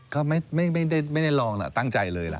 ก็ไม่ได้ลองนะตั้งใจเลย